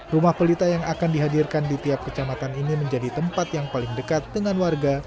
rumah pelita yang akan dihadirkan di tiap kecamatan ini menjadi tempat yang paling dekat dengan warga